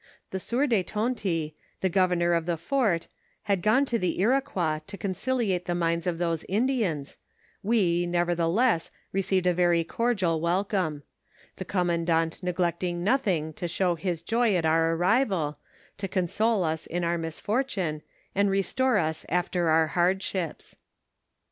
The sieur de Tonty, the governor of tho fuit, had gone to the Iroquois to conciliate the minds of those Indians, we, nevertheless, ro* ceived a very cordial welcome ; the commandant neglecting nothing to show his joy at our arrival, to console us in our misfortunes, and restore us after our hardships.